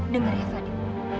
dengar ya fadil